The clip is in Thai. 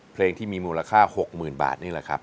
เพลงที่มีมูลค่า๖๐๐๐บาทนี่แหละครับ